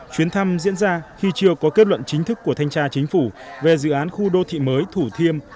chuyến thăm diễn ra khi chưa có kết luận chính thức của thanh tra chính phủ về dự án khu đô thị mới thủ thiêm